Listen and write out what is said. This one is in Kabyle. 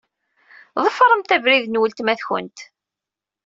Ḍefṛemt abrid n weltma-tkent.